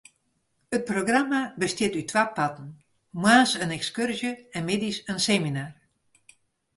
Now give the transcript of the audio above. It programma bestiet út twa parten: moarns in ekskurzje en middeis in seminar.